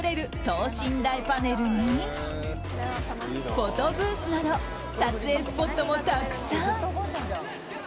等身大パネルにフォトブースなど撮影スポットもたくさん。